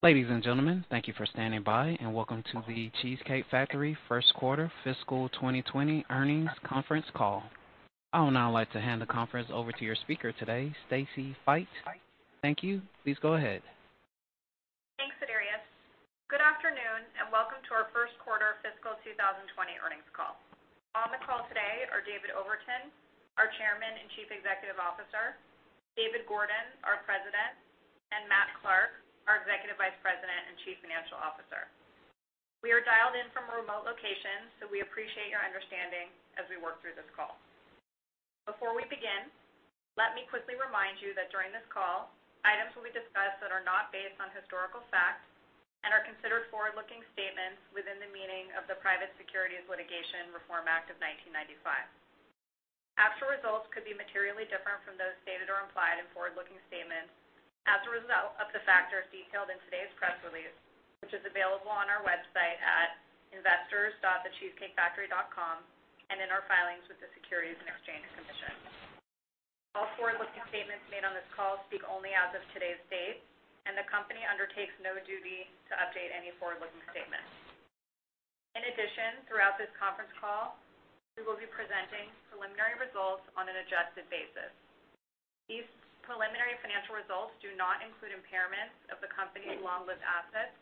Ladies and gentlemen, thank you for standing by. Welcome to The Cheesecake Factory first quarter fiscal 2020 earnings conference call. I would now like to hand the conference over to your speaker today, Stacy Feit. Thank you. Please go ahead. Thanks, Darius. Good afternoon, welcome to our first quarter fiscal 2020 earnings call. On the call today are David Overton, our Chairman and Chief Executive Officer, David Gordon, our President, and Matt Clark, our Executive Vice President and Chief Financial Officer. We are dialed in from remote locations, we appreciate your understanding as we work through this call. Before we begin, let me quickly remind you that during this call, items will be discussed that are not based on historical fact and are considered forward-looking statements within the meaning of the Private Securities Litigation Reform Act of 1995. Actual results could be materially different from those stated or implied in forward-looking statements as a result of the factors detailed in today's press release, which is available on our website at investors.thecheesecakefactory.com, and in our filings with the Securities and Exchange Commission. All forward-looking statements made on this call speak only as of today's date, and the company undertakes no duty to update any forward-looking statements. In addition, throughout this conference call, we will be presenting preliminary results on an adjusted basis. These preliminary financial results do not include impairments of the company's long-lived assets,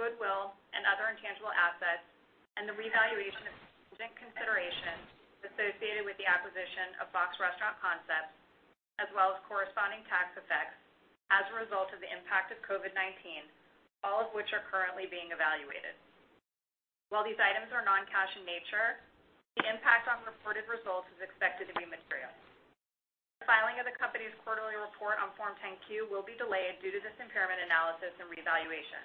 goodwill, and other intangible assets, and the revaluation of contingent consideration associated with the acquisition of Fox Restaurant Concepts, as well as corresponding tax effects as a result of the impact of COVID-19, all of which are currently being evaluated. While these items are non-cash in nature, the impact on reported results is expected to be material. The filing of the company's quarterly report on Form 10-Q will be delayed due to this impairment analysis and revaluation.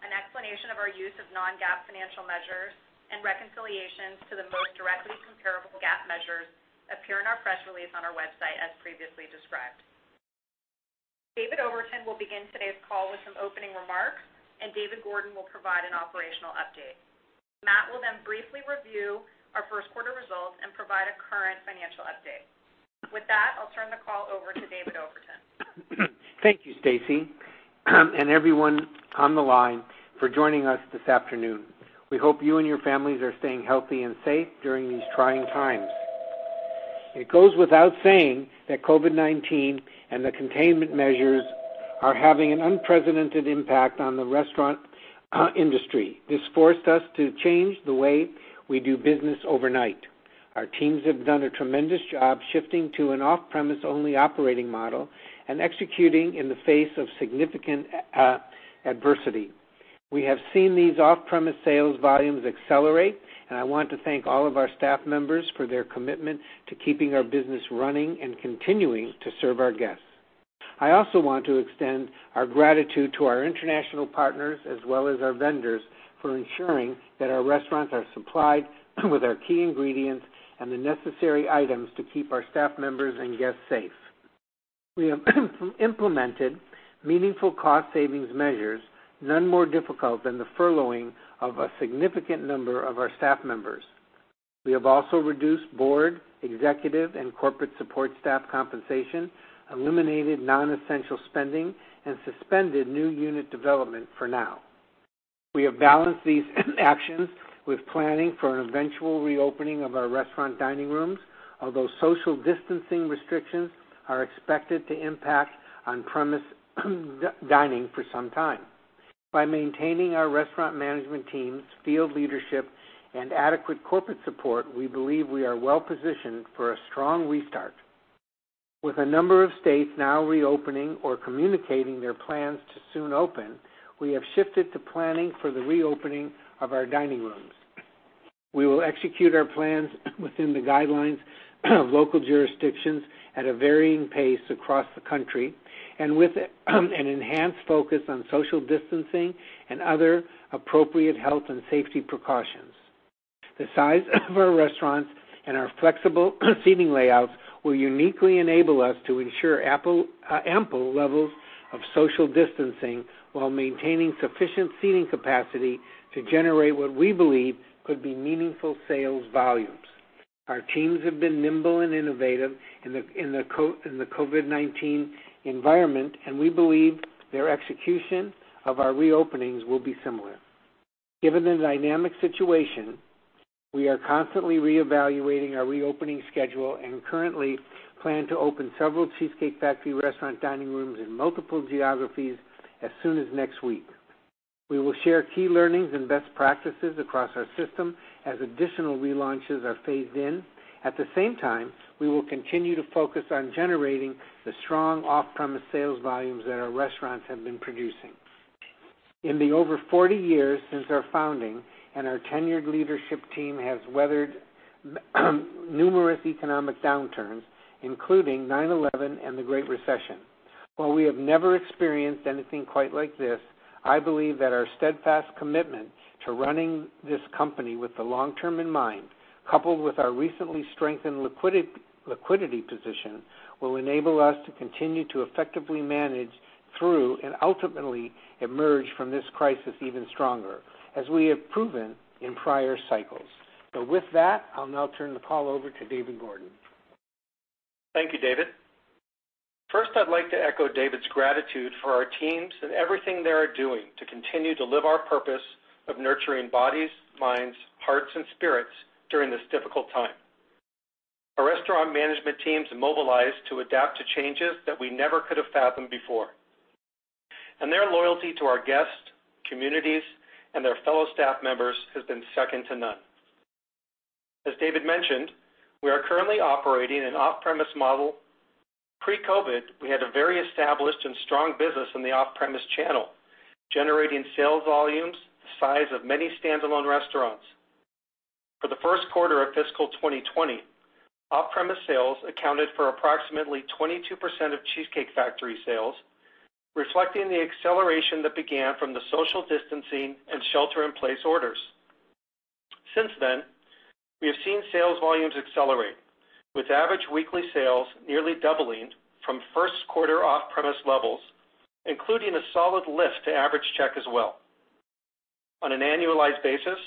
An explanation of our use of non-GAAP financial measures and reconciliations to the most directly comparable GAAP measures appear in our press release on our website, as previously described. David Overton will begin today's call with some opening remarks, and David Gordon will provide an operational update. Matt will then briefly review our first quarter results and provide a current financial update. With that, I'll turn the call over to David Overton. Thank you, Stacy, and everyone on the line, for joining us this afternoon. We hope you and your families are staying healthy and safe during these trying times. It goes without saying that COVID-19 and the containment measures are having an unprecedented impact on the restaurant industry. This forced us to change the way we do business overnight. Our teams have done a tremendous job shifting to an off-premise only operating model and executing in the face of significant adversity. We have seen these off-premise sales volumes accelerate, and I want to thank all of our staff members for their commitment to keeping our business running and continuing to serve our guests. I also want to extend our gratitude to our international partners, as well as our vendors, for ensuring that our restaurants are supplied with our key ingredients and the necessary items to keep our staff members and guests safe. We have implemented meaningful cost savings measures, none more difficult than the furloughing of a significant number of our staff members. We have also reduced board, executive, and corporate support staff compensation, eliminated non-essential spending, and suspended new unit development for now. We have balanced these actions with planning for an eventual reopening of our restaurant dining rooms. Although social distancing restrictions are expected to impact on-premise dining for some time. By maintaining our restaurant management teams, field leadership, and adequate corporate support, we believe we are well-positioned for a strong restart. With a number of states now reopening or communicating their plans to soon open, we have shifted to planning for the reopening of our dining rooms. We will execute our plans within the guidelines of local jurisdictions at a varying pace across the country, and with an enhanced focus on social distancing and other appropriate health and safety precautions. The size of our restaurants and our flexible seating layouts will uniquely enable us to ensure ample levels of social distancing while maintaining sufficient seating capacity to generate what we believe could be meaningful sales volumes. Our teams have been nimble and innovative in the COVID-19 environment, and we believe their execution of our reopenings will be similar. Given the dynamic situation, we are constantly reevaluating our reopening schedule and currently plan to open several The Cheesecake Factory restaurant dining rooms in multiple geographies as soon as next week. We will share key learnings and best practices across our system as additional relaunches are phased in. At the same time, we will continue to focus on generating the strong off-premise sales volumes that our restaurants have been producing. In the over 40 years since our founding and our tenured leadership team has weathered numerous economic downturns, including 9/11 and the Great Recession. While we have never experienced anything quite like this, I believe that our steadfast commitment to running this company with the long term in mind, coupled with our recently strengthened liquidity position, will enable us to continue to effectively manage through and ultimately emerge from this crisis even stronger, as we have proven in prior cycles. With that, I'll now turn the call over to David Gordon. Thank you, David. First, I'd like to echo David's gratitude for our teams and everything they are doing to continue to live our purpose of nurturing bodies, minds, hearts, and spirits during this difficult time. Our restaurant management teams have mobilized to adapt to changes that we never could have fathomed before, and their loyalty to our guests, communities, and their fellow staff members has been second to none. As David mentioned, we are currently operating an off-premise model. Pre-COVID, we had a very established and strong business in the off-premise channel, generating sales volumes the size of many standalone restaurants. For the first quarter of fiscal 2020, off-premise sales accounted for approximately 22% of The Cheesecake Factory sales, reflecting the acceleration that began from the social distancing and shelter-in-place orders. Since then, we have seen sales volumes accelerate, with average weekly sales nearly doubling from first quarter off-premise levels, including a solid lift to average check as well. On an annualized basis,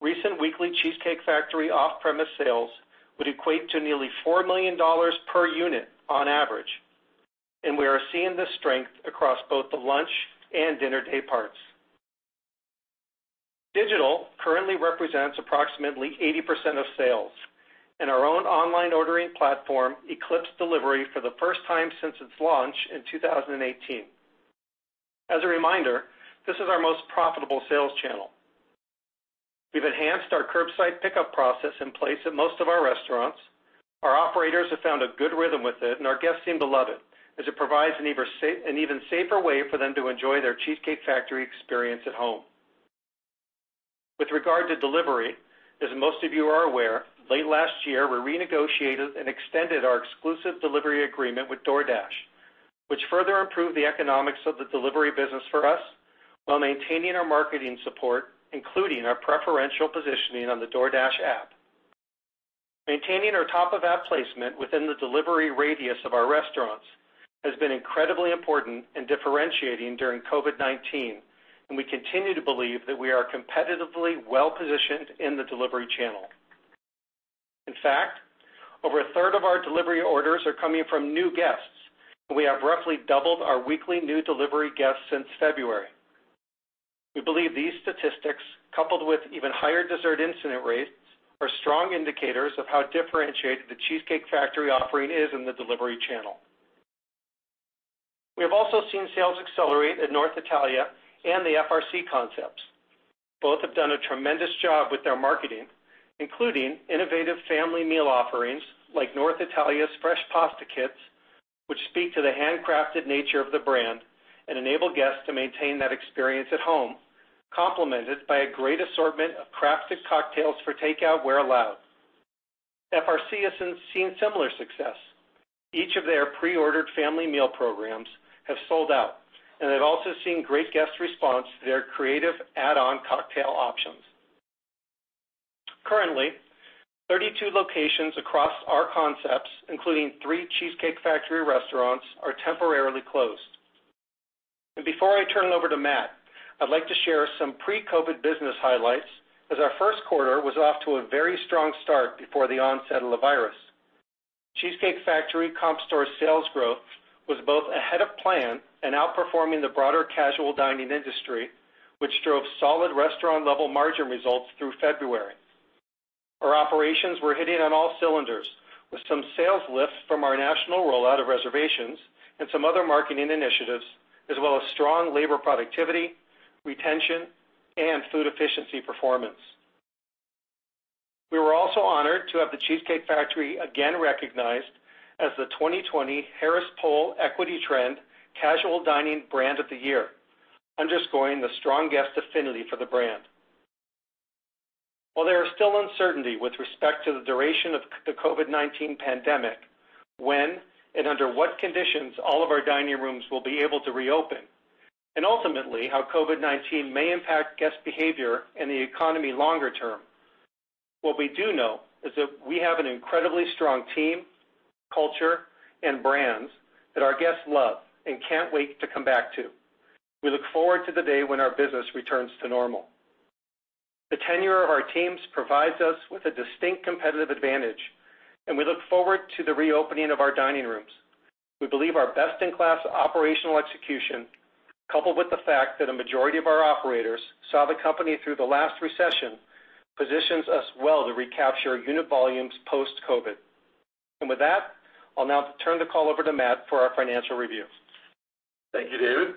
recent weekly The Cheesecake Factory off-premise sales would equate to nearly $4 million per unit on average, and we are seeing the strength across both the lunch and dinner day parts. Digital currently represents approximately 80% of sales, and our own online ordering platform eclipsed delivery for the first time since its launch in 2018. As a reminder, this is our most profitable sales channel. We've enhanced our curbside pickup process in place at most of our restaurants. Our operators have found a good rhythm with it, and our guests seem to love it, as it provides an even safer way for them to enjoy their The Cheesecake Factory experience at home. With regard to delivery, as most of you are aware, late last year, we renegotiated and extended our exclusive delivery agreement with DoorDash, which further improved the economics of the delivery business for us while maintaining our marketing support, including our preferential positioning on the DoorDash app. Maintaining our top of app placement within the delivery radius of our restaurants has been incredibly important in differentiating during COVID-19, and we continue to believe that we are competitively well-positioned in the delivery channel. In fact, over 1/3 of our delivery orders are coming from new guests, and we have roughly doubled our weekly new delivery guests since February. We believe these statistics, coupled with even higher dessert incident rates, are strong indicators of how differentiated The Cheesecake Factory offering is in the delivery channel. We have also seen sales accelerate at North Italia and the FRC concepts. Both have done a tremendous job with their marketing, including innovative family meal offerings like North Italia's fresh pasta kits, which speak to the handcrafted nature of the brand and enable guests to maintain that experience at home, complemented by a great assortment of crafted cocktails for takeout where allowed. FRC has seen similar success. Each of their pre-ordered family meal programs have sold out, and they've also seen great guest response to their creative add-on cocktail options. Currently, 32 locations across our concepts, including three Cheesecake Factory restaurants, are temporarily closed. Before I turn it over to Matt, I'd like to share some pre-COVID-19 business highlights, as our first quarter was off to a very strong start before the onset of the virus. Cheesecake Factory comp store sales growth was both ahead of plan and outperforming the broader casual dining industry, which drove solid restaurant level margin results through February. Our operations were hitting on all cylinders, with some sales lifts from our national rollout of reservations and some other marketing initiatives, as well as strong labor productivity, retention, and food efficiency performance. We were also honored to have The Cheesecake Factory again recognized as the 2020 Harris Poll EquiTrend Casual Dining Brand of the Year, underscoring the strong guest affinity for the brand. While there is still uncertainty with respect to the duration of the COVID-19 pandemic, when and under what conditions all of our dining rooms will be able to reopen, and ultimately, how COVID-19 may impact guest behavior and the economy longer term, what we do know is that we have an incredibly strong team, culture, and brands that our guests love and can't wait to come back to. We look forward to the day when our business returns to normal. The tenure of our teams provides us with a distinct competitive advantage, and we look forward to the reopening of our dining rooms. We believe our best-in-class operational execution, coupled with the fact that a majority of our operators saw the company through the last recession, positions us well to recapture unit volumes post-COVID. With that, I'll now turn the call over to Matt for our financial review. Thank you, David.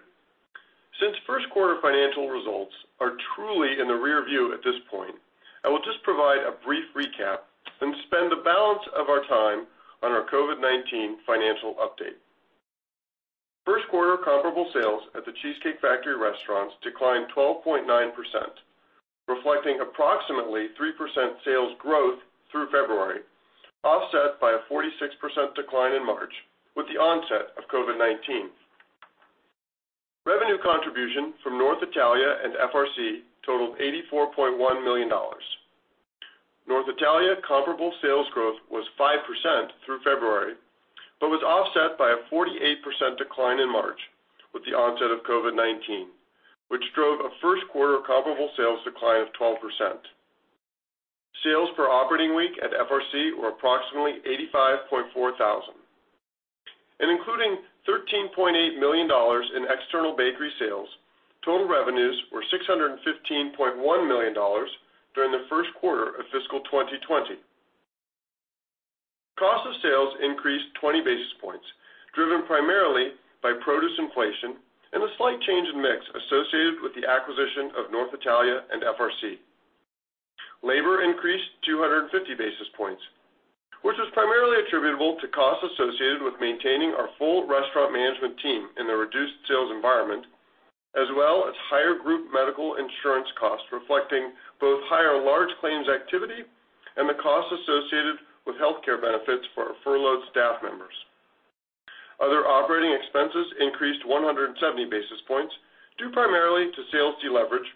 Since first quarter financial results are truly in the rear view at this point, I will just provide a brief recap and spend the balance of our time on our COVID-19 financial update. First quarter comparable sales at The Cheesecake Factory restaurants declined 12.9%, reflecting approximately 3% sales growth through February, offset by a 46% decline in March with the onset of COVID-19. Revenue contribution from North Italia and FRC totaled $84.1 million. North Italia comparable sales growth was 5% through February, was offset by a 48% decline in March with the onset of COVID-19, which drove a first-quarter comparable sales decline of 12%. Sales per operating week at FRC were approximately $85,400. Including $13.8 million in external bakery sales, total revenues were $615.1 million during the first quarter of fiscal 2020. Cost of sales increased 20 basis points, driven primarily by produce inflation and a slight change in mix associated with the acquisition of North Italia and FRC. Labor increased 250 basis points, which was primarily attributable to costs associated with maintaining our full restaurant management team in the reduced sales environment, as well as higher group medical insurance costs reflecting both higher large claims activity and the costs associated with healthcare benefits for our furloughed staff members. Other operating expenses increased 170 basis points due primarily to sales deleverage,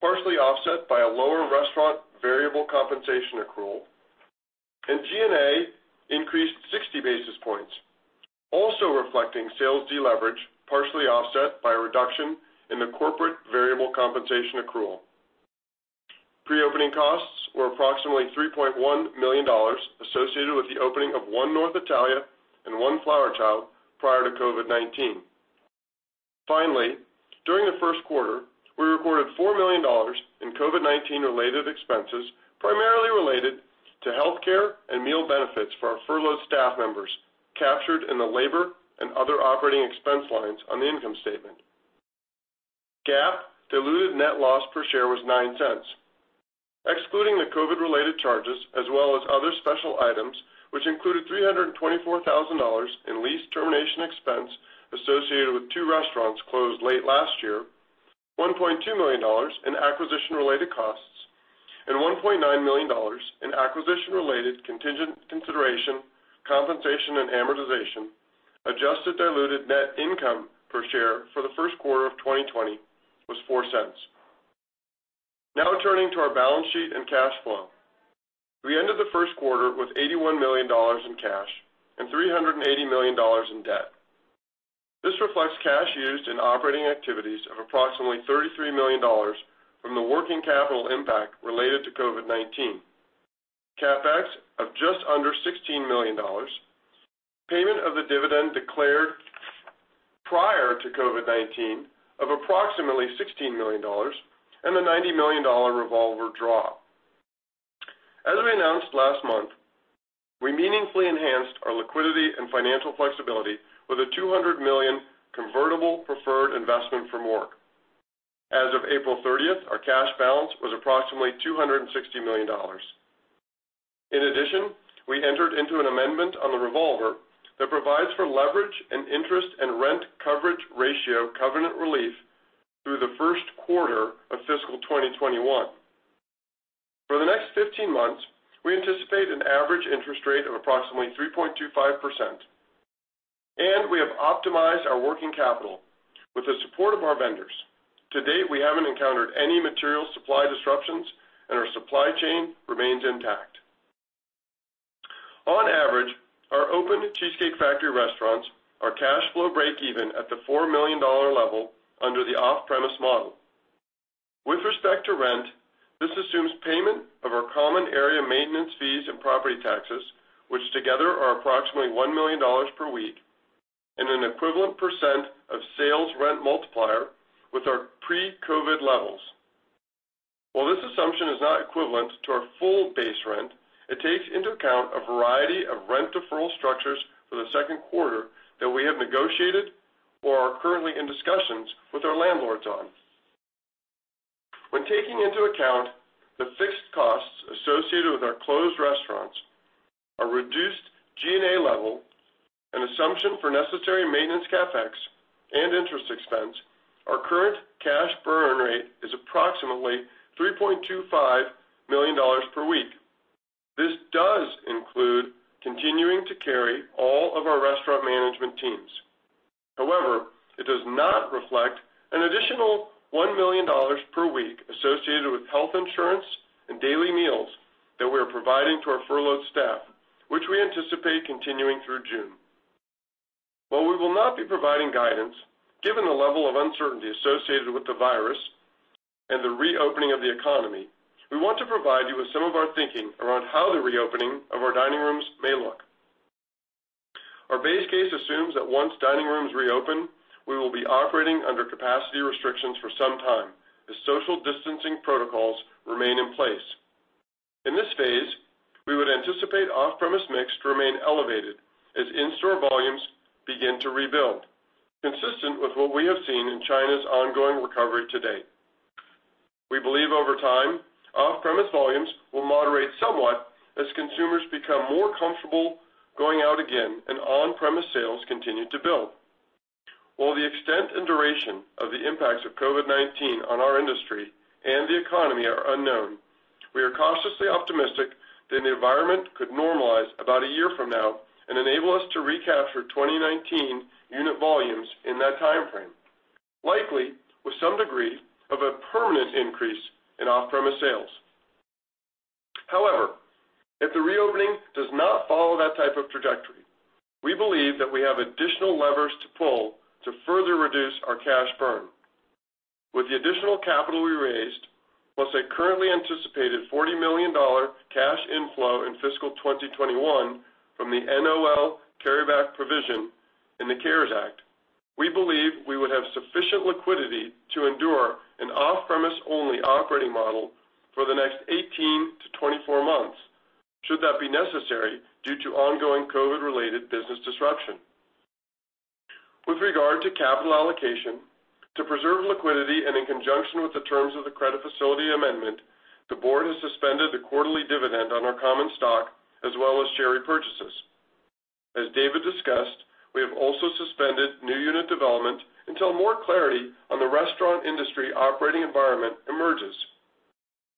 partially offset by a lower restaurant variable compensation accrual, and G&A increased 60 basis points, also reflecting sales deleverage, partially offset by a reduction in the corporate variable compensation accrual. Pre-opening costs were approximately $3.1 million associated with the opening of one North Italia and one Flower Child prior to COVID-19. During the first quarter, we recorded $4 million in COVID-19 related expenses, primarily related to healthcare and meal benefits for our furloughed staff members, captured in the labor and other operating expense lines on the income statement. GAAP diluted net loss per share was $0.09. Excluding the COVID-related charges, as well as other special items, which included $324,000 in lease termination expense associated with two restaurants closed late last year, $1.2 million in acquisition-related costs, and $1.9 million in acquisition-related contingent consideration, compensation, and amortization, adjusted diluted net income per share for the first quarter of 2020 was $0.04. Turning to our balance sheet and cash flow. We ended the first quarter with $81 million in cash and $380 million in debt. This reflects cash used in operating activities of approximately $33 million from the working capital impact related to COVID-19, CapEx of just under $16 million, payment of the dividend declared prior to COVID-19 of approximately $16 million, and the $90 million revolver draw. As we announced last month, we meaningfully enhanced our liquidity and financial flexibility with a $200 million convertible preferred investment from Roark. As of April 30th, our cash balance was approximately $260 million. In addition, we entered into an amendment on the revolver that provides for leverage and interest and rent coverage ratio covenant relief through the first quarter of fiscal 2021. For the next 15 months, we anticipate an average interest rate of approximately 3.25%, and we have optimized our working capital with the support of our vendors. To date, we haven't encountered any material supply disruptions, and our supply chain remains intact. On average, our open Cheesecake Factory restaurants are cash flow break even at the $4 million level under the off-premise model. With respect to rent, this assumes payment of our common area maintenance fees and property taxes, which together are approximately $1 million per week, and an equivalent percent of sales rent multiplier with our pre-COVID levels. While this assumption is not equivalent to our full base rent, it takes into account a variety of rent deferral structures for the second quarter that we have negotiated or are currently in discussions with our landlords on. When taking into account the fixed costs associated with our closed restaurants, a reduced G&A level, an assumption for necessary maintenance CapEx, and interest expense, our current cash burn rate is approximately $3.25 million per week. This does include continuing to carry all of our restaurant management teams. However, it does not reflect an additional $1 million per week associated with health insurance and daily meals that we are providing to our furloughed staff, which we anticipate continuing through June. While we will not be providing guidance, given the level of uncertainty associated with the virus and the reopening of the economy, we want to provide you with some of our thinking around how the reopening of our dining rooms may look. Our base case assumes that once dining rooms reopen, we will be operating under capacity restrictions for some time as social distancing protocols remain in place. In this phase, we would anticipate off-premise mix to remain elevated as in-store volumes begin to rebuild, consistent with what we have seen in China's ongoing recovery to date. We believe over time, off-premise volumes will moderate somewhat as consumers become more comfortable going out again and on-premise sales continue to build. While the extent and duration of the impacts of COVID-19 on our industry and the economy are unknown, we are cautiously optimistic that the environment could normalize about a year from now and enable us to recapture 2019 unit volumes in that time frame, likely with some degree of a permanent increase in off-premise sales. However, if the reopening does not follow that type of trajectory, we believe that we have additional levers to pull to further reduce our cash burn. With the additional capital we raised, plus a currently anticipated $40 million cash inflow in fiscal 2021 from the NOL carryback provision in the CARES Act, we believe we would have sufficient liquidity to endure an off-premise only operating model for the next 18-24 months, should that be necessary due to ongoing COVID-19 related business disruption. With regard to capital allocation, to preserve liquidity and in conjunction with the terms of the credit facility amendment, the board has suspended the quarterly dividend on our common stock as well as share repurchases. As David discussed, we have also suspended new unit development until more clarity on the restaurant industry operating environment emerges.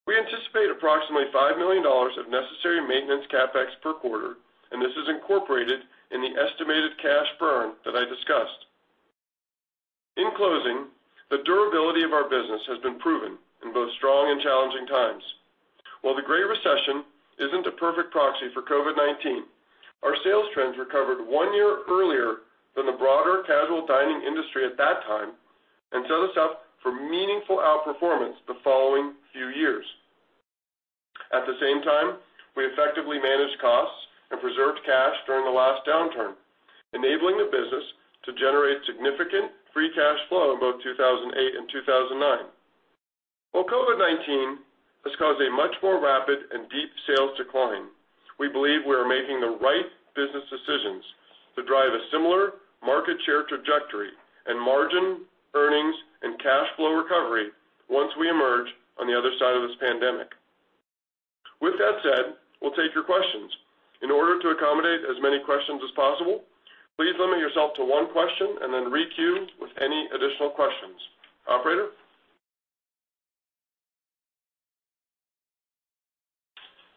We anticipate approximately $5 million of necessary maintenance CapEx per quarter, and this is incorporated in the estimated cash burn that I discussed. In closing, the durability of our business has been proven in both strong and challenging times. While the Great Recession isn't a perfect proxy for COVID-19, our sales trends recovered one year earlier than the broader casual dining industry at that time and set us up for meaningful outperformance the following few years. At the same time, we effectively managed costs and preserved cash during the last downturn, enabling the business to generate significant free cash flow in both 2008 and 2009. While COVID-19 has caused a much more rapid and deep sales decline, we believe we are making the right business decisions to drive a similar market share trajectory and margin, earnings, and cash flow recovery once we emerge on the other side of this pandemic. With that said, we'll take your questions. In order to accommodate as many questions as possible, please limit yourself to one question and then re-queue with any additional questions. Operator?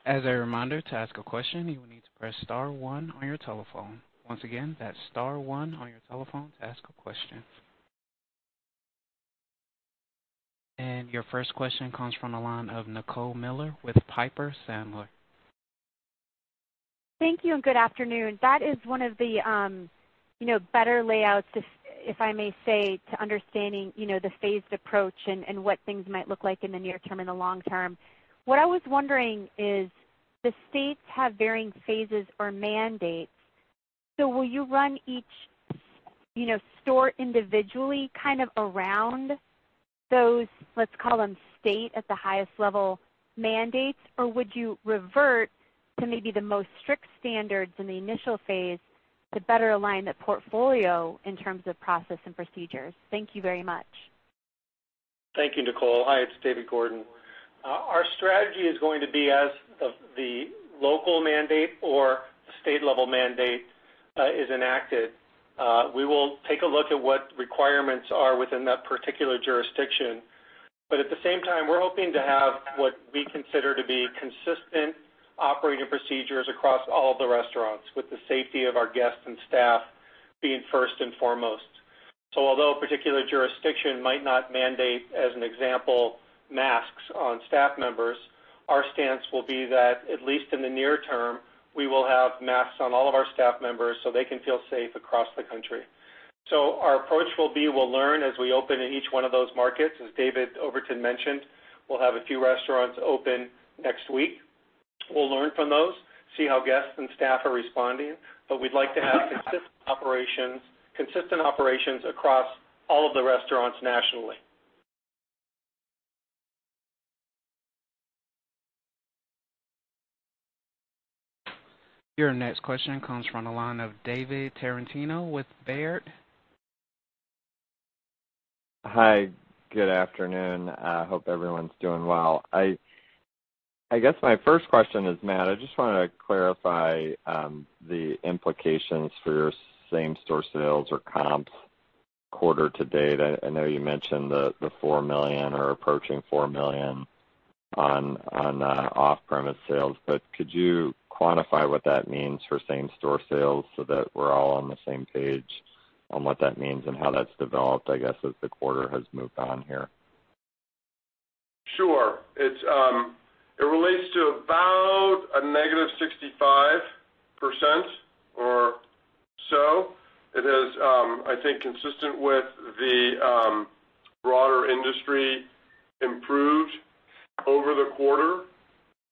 As a reminder, to ask a question, you will need to press star one on your telephone. Once again, that's star one on your telephone to ask a question. Your first question comes from the line of Nicole Miller with Piper Sandler. Thank you, and good afternoon. That is one of the better layouts, if I may say, to understanding the phased approach and what things might look like in the near term and the long term. What I was wondering is, the states have varying phases or mandates. Will you run each store individually around those, let's call them state at the highest level mandates, or would you revert to maybe the most strict standards in the initial phase to better align the portfolio in terms of process and procedures? Thank you very much. Thank you, Nicole. Hi, it's David Gordon. Our strategy is going to be as the local mandate or the state level mandate is enacted. We will take a look at what the requirements are within that particular jurisdiction. At the same time, we're hoping to have what we consider to be consistent operating procedures across all of the restaurants with the safety of our guests and staff being first and foremost. Although a particular jurisdiction might not mandate, as an example, masks on staff members, our stance will be that at least in the near term, we will have masks on all of our staff members so they can feel safe across the country. Our approach will be, we'll learn as we open in each one of those markets. As David Overton mentioned, we'll have a few restaurants open next week. We'll learn from those, see how guests and staff are responding. We'd like to have consistent operations across all of the restaurants nationally. Your next question comes from the line of David Tarantino with Baird. Hi. Good afternoon. I hope everyone's doing well. I guess my first question is, Matt, I just want to clarify the implications for your same store sales or comps quarter to date. I know you mentioned the $4 million or approaching $4 million on off-premise sales, could you quantify what that means for same store sales so that we're all on the same page on what that means and how that's developed, I guess, as the quarter has moved on here? Sure. It relates to about a -65% or so. It is, I think, consistent with the broader industry improved over the quarter, and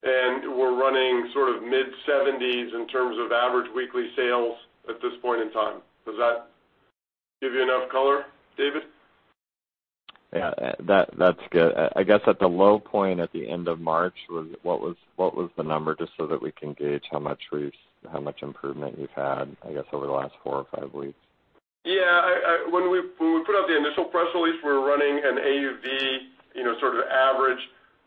we're running mid-70s in terms of average weekly sales at this point in time. Does that give you enough color, David? Yeah. That's good. I guess at the low point at the end of March, what was the number, just so that we can gauge how much improvement you've had, I guess over the last four or five weeks? Yeah. When we put out the initial press release, we were running an AUV average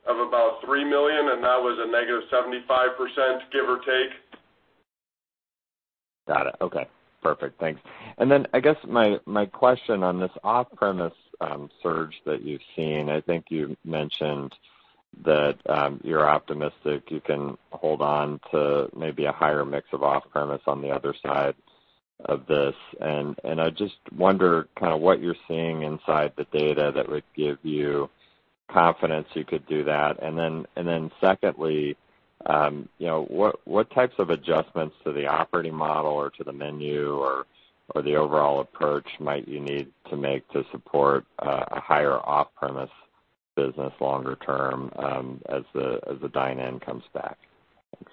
of about $3 million, and that was a -75%, give or take. Got it. Okay. Perfect. Thanks. I guess my question on this off-premise surge that you've seen, I think you mentioned that you're optimistic you can hold on to maybe a higher mix of off-premise on the other side of this. I just wonder what you're seeing inside the data that would give you confidence you could do that. Secondly, what types of adjustments to the operating model or to the menu or the overall approach might you need to make to support a higher off-premise business longer term, as the dine-in comes back? Thanks.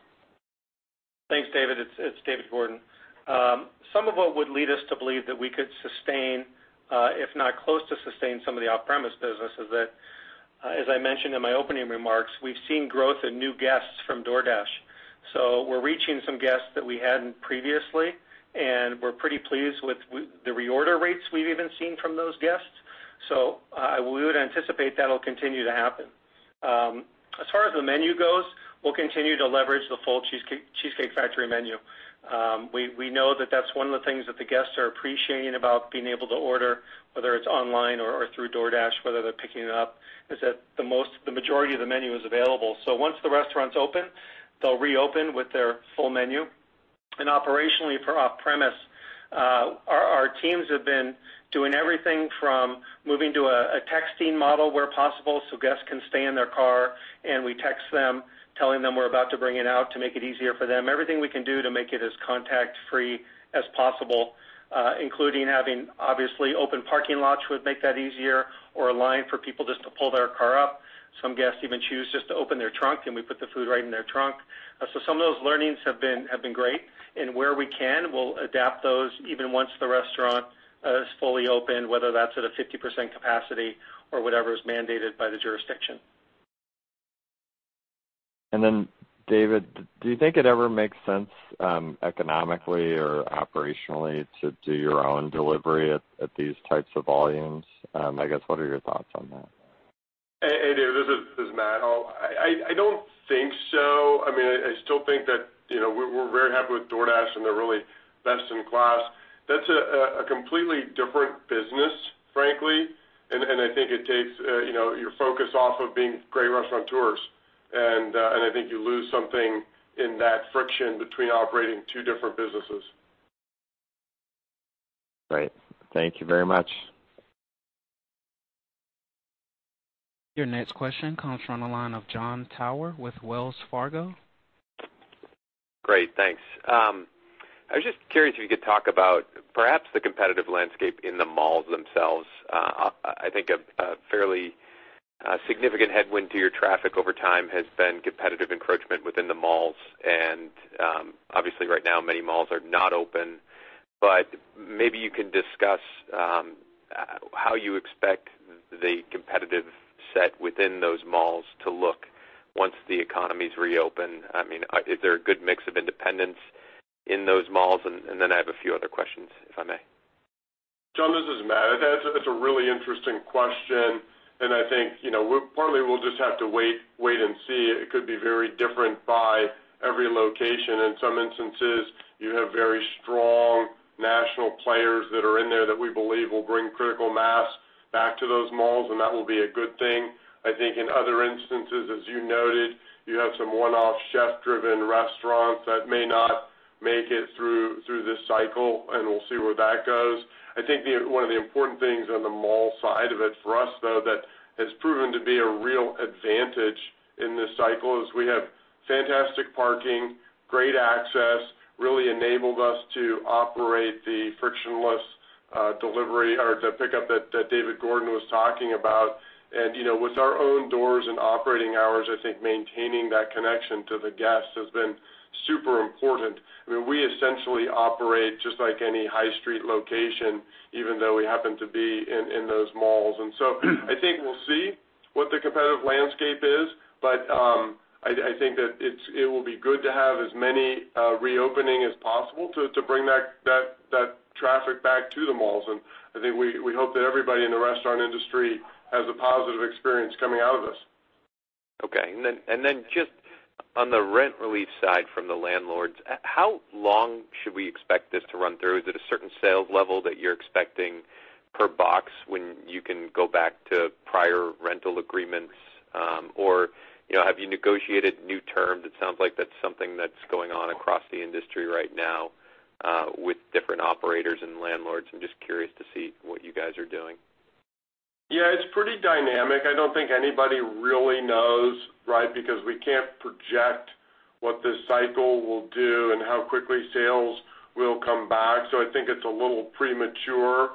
Thanks, David. It's David Gordon. Some of what would lead us to believe that we could sustain, if not close to sustain some of the off-premise business is that, as I mentioned in my opening remarks, we've seen growth in new guests from DoorDash. We're reaching some guests that we hadn't previously, and we're pretty pleased with the reorder rates we've even seen from those guests. We would anticipate that'll continue to happen. As far as the menu goes, we'll continue to leverage the full Cheesecake Factory menu. We know that that's one of the things that the guests are appreciating about being able to order, whether it's online or through DoorDash, whether they're picking it up, is that the majority of the menu is available. Once the restaurant's open, they'll reopen with their full menu. Operationally for off-premise, our teams have been doing everything from moving to a texting model where possible, so guests can stay in their car, and we text them telling them we're about to bring it out to make it easier for them. Everything we can do to make it as contact-free as possible, including having, obviously, open parking lots would make that easier, or a line for people just to pull their car up. Some guests even choose just to open their trunk, and we put the food right in their trunk. Some of those learnings have been great, and where we can, we'll adapt those even once the restaurant is fully open, whether that's at a 50% capacity or whatever is mandated by the jurisdiction. David, do you think it ever makes sense, economically or operationally, to do your own delivery at these types of volumes? I guess, what are your thoughts on that? Hey, David. This is Matt. I don't think so. I still think that we're very happy with DoorDash, and they're really best in class. That's a completely different business, frankly, and I think it takes your focus off of being great restaurateurs. I think you lose something in that friction between operating two different businesses. Great. Thank you very much. Your next question comes from the line of Jon Tower with Wells Fargo. Great, thanks. I was just curious if you could talk about perhaps the competitive landscape in the malls themselves. I think a fairly significant headwind to your traffic over time has been competitive encroachment within the malls. Obviously right now, many malls are not open. Maybe you can discuss how you expect the competitive set within those malls to look once the economy's reopened. Is there a good mix of independents in those malls? I have a few other questions, if I may. Jon, this is Matt. That's a really interesting question, and I think partly we'll just have to wait and see. It could be very different by every location. In some instances, you have very strong national players that are in there that we believe will bring critical mass back to those malls, and that will be a good thing. I think in other instances, as you noted, you have some one-off chef-driven restaurants that may not make it through this cycle, and we'll see where that goes. I think one of the important things on the mall side of it for us, though, that has proven to be a real advantage in this cycle is we have fantastic parking, great access, really enabled us to operate the frictionless delivery or the pickup that David Gordon was talking about. With our own doors and operating hours, I think maintaining that connection to the guests has been super important. We essentially operate just like any high street location, even though we happen to be in those malls. So I think we'll see what the competitive landscape is, but I think that it will be good to have as many reopening as possible to bring that traffic back to the malls. I think we hope that everybody in the restaurant industry has a positive experience coming out of this. Okay. Then just on the rent relief side from the landlords, how long should we expect this to run through? Is it a certain sales level that you're expecting per box when you can go back to prior rental agreements? Have you negotiated new terms? It sounds like that's something that's going on across the industry right now, with different operators and landlords. I'm just curious to see what you guys are doing. Yeah, it's pretty dynamic. I don't think anybody really knows because we can't project what this cycle will do and how quickly sales will come back. I think it's a little premature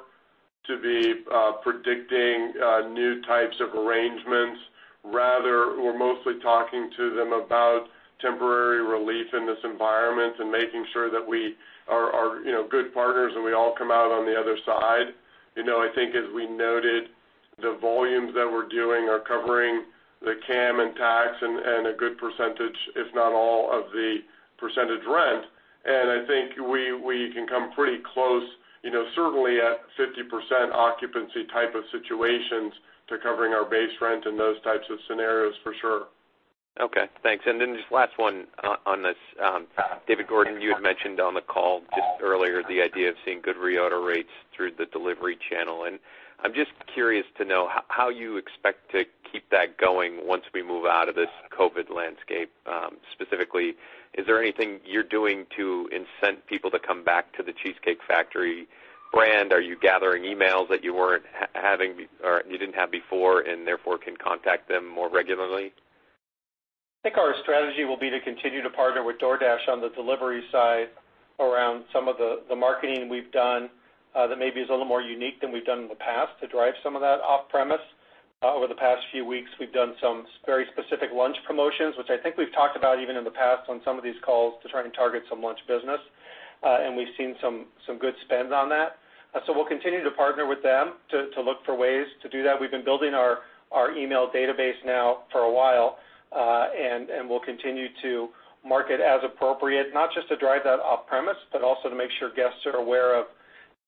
to be predicting new types of arrangements. Rather, we're mostly talking to them about temporary relief in this environment and making sure that we are good partners and we all come out on the other side. I think as we noted, the volumes that we're doing are covering the CAM and tax and a good percentage, if not all, of the percentage rent. I think we can come pretty close, certainly at 50% occupancy type of situations to covering our base rent in those types of scenarios for sure. Okay, thanks. Just last one on this. David Gordon, you had mentioned on the call just earlier the idea of seeing good reorder rates through the delivery channel, and I'm just curious to know how you expect to keep that going once we move out of this COVID landscape. Specifically, is there anything you're doing to incent people to come back to The Cheesecake Factory brand? Are you gathering emails that you didn't have before and therefore can contact them more regularly? I think our strategy will be to continue to partner with DoorDash on the delivery side around some of the marketing we've done that maybe is a little more unique than we've done in the past to drive some of that off-premise. Over the past few weeks, we've done some very specific lunch promotions, which I think we've talked about even in the past on some of these calls to try and target some lunch business. We've seen some good spends on that. We'll continue to partner with them to look for ways to do that. We've been building our email database now for a while, and we'll continue to market as appropriate, not just to drive that off-premise, but also to make sure guests are aware of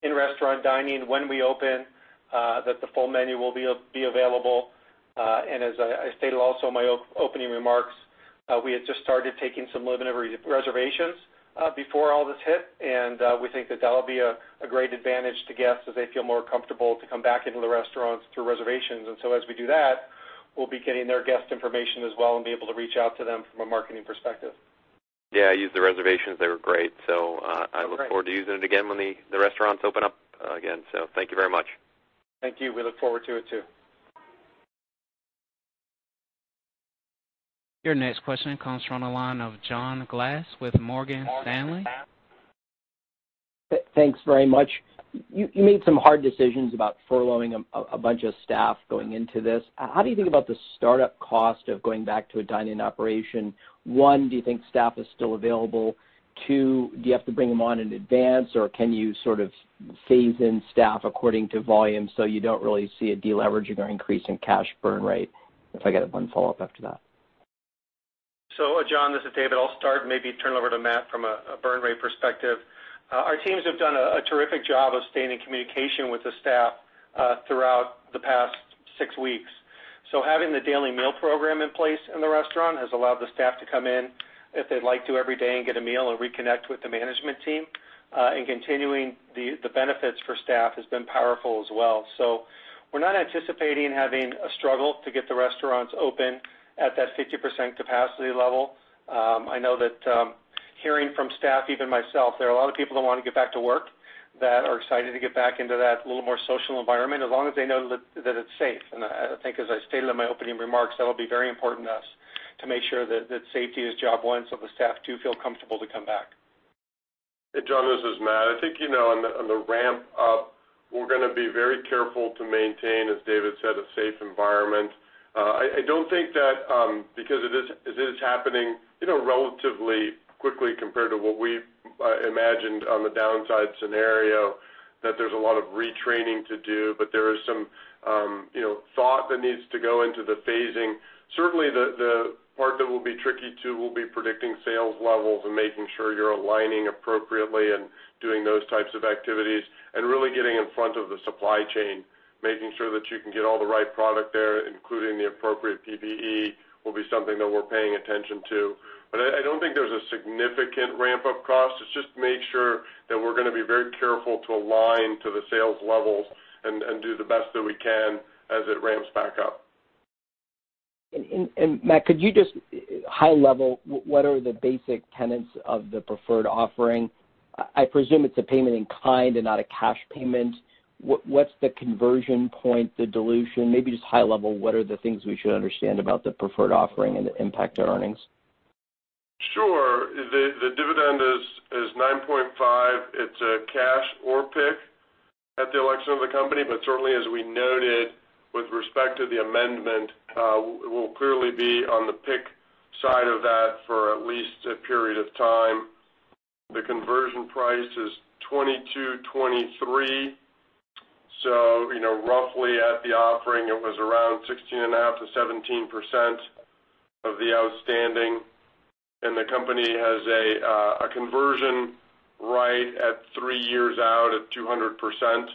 in-restaurant dining when we open, that the full menu will be available. As I stated also in my opening remarks, we had just started taking some limited reservations before all this hit, and we think that that'll be a great advantage to guests as they feel more comfortable to come back into the restaurants through reservations. As we do that, we'll be getting their guest information as well and be able to reach out to them from a marketing perspective. Yeah, I used the reservations. They were great. Great. I look forward to using it again when the restaurants open up again. Thank you very much. Thank you. We look forward to it too. Your next question comes from the line of John Glass with Morgan Stanley. Thanks very much. You made some hard decisions about furloughing a bunch of staff going into this. How do you think about the startup cost of going back to a dine-in operation? One, do you think staff is still available? Two, do you have to bring them on in advance, or can you sort of phase in staff according to volume so you don't really see a deleveraging or increase in cash burn rate? If I get one follow-up after that. John, this is David. I'll start and maybe turn it over to Matt from a burn rate perspective. Our teams have done a terrific job of staying in communication with the staff throughout the past six weeks. Having the daily meal program in place in the restaurant has allowed the staff to come in if they'd like to every day and get a meal and reconnect with the management team. Continuing the benefits for staff has been powerful as well. We're not anticipating having a struggle to get the restaurants open at that 50% capacity level. I know that hearing from staff, even myself, there are a lot of people that want to get back to work, that are excited to get back into that little more social environment, as long as they know that it's safe. I think as I stated in my opening remarks, that'll be very important to us to make sure that safety is job one so the staff do feel comfortable to come back. Hey, John, this is Matt. I think on the ramp-up, we're going to be very careful to maintain, as David said, a safe environment. I don't think that because it is happening relatively quickly compared to what we imagined on the downside scenario, that there's a lot of retraining to do. There is some thought that needs to go into the phasing. Certainly, the part that will be tricky, too, will be predicting sales levels and making sure you're aligning appropriately and doing those types of activities, and really getting in front of the supply chain, making sure that you can get all the right product there, including the appropriate PPE, will be something that we're paying attention to. I don't think there's a significant ramp-up cost. It's just to make sure that we're going to be very careful to align to the sales levels and do the best that we can as it ramps back up. Matt, could you just high level, what are the basic tenets of the preferred offering? I presume it's a payment in kind and not a cash payment. What's the conversion point, the dilution? Maybe just high level, what are the things we should understand about the preferred offering and the impact to earnings? Sure. The dividend is $9.5. It's a cash or PIK at the election of the company, certainly as we noted with respect to the amendment, we'll clearly be on the PIK side of that for at least a period of time. The conversion price is $22.23. Roughly at the offering, it was around 16.5%-17% of the outstanding. The company has a conversion right at three years out at 200%.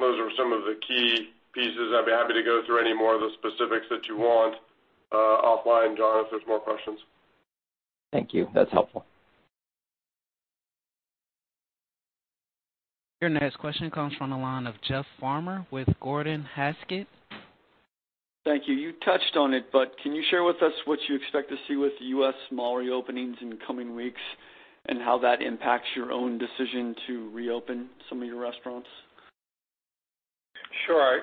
Those are some of the key pieces. I'd be happy to go through any more of the specifics that you want offline, John, if there's more questions. Thank you. That's helpful. Your next question comes from the line of Jeff Farmer with Gordon Haskett. Thank you. You touched on it, can you share with us what you expect to see with U.S. mall reopenings in the coming weeks and how that impacts your own decision to reopen some of your restaurants? Sure.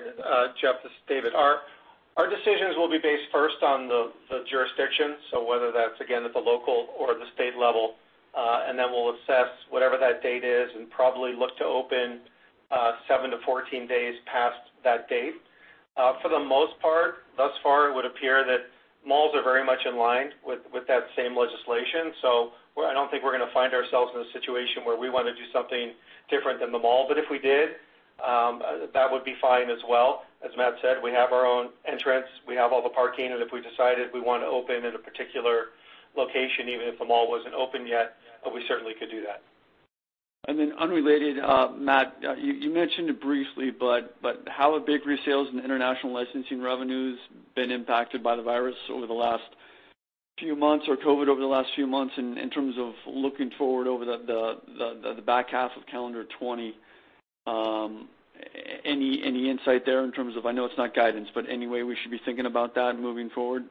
Jeff, this is David. Our decisions will be based first on the jurisdiction, whether that's, again, at the local or the state level. We'll assess whatever that date is and probably look to open 7-14 days past that date. For the most part, thus far, it would appear that malls are very much in line with that same legislation. I don't think we're going to find ourselves in a situation where we want to do something different than the mall. If we did, that would be fine as well. As Matt said, we have our own entrance, we have all the parking, if we decided we want to open in a particular location, even if the mall wasn't open yet, we certainly could do that. Unrelated, Matt, you mentioned it briefly, but how have bakery sales and international licensing revenues been impacted by the virus over the last few months or COVID over the last few months in terms of looking forward over the back half of calendar 2020? Any insight there in terms of, I know it's not guidance, but any way we should be thinking about that moving forward?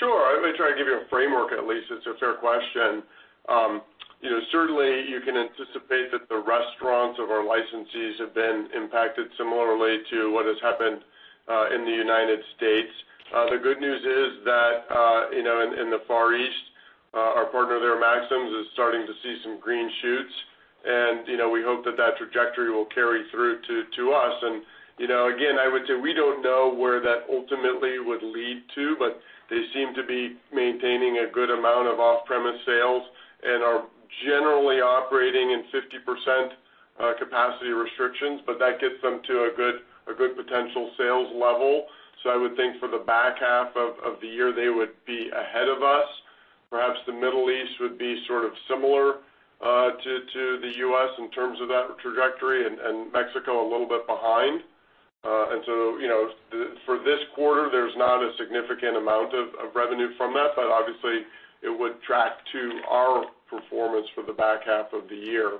Sure. Let me try to give you a framework, at least. It's a fair question. Certainly, you can anticipate that the restaurants of our licensees have been impacted similarly to what has happened in the United States. The good news is that in the Far East, our partner there, Maxim's, is starting to see some green shoots. We hope that trajectory will carry through to us. Again, I would say, we don't know where that ultimately would lead to, but they seem to be maintaining a good amount of off-premise sales and are generally operating in 50% capacity restrictions. That gets them to a good potential sales level. I would think for the back half of the year, they would be ahead of us. Perhaps the Middle East would be sort of similar to the U.S. in terms of that trajectory, and Mexico a little bit behind. For this quarter, there's not a significant amount of revenue from that, but obviously, it would track to our performance for the back half of the year.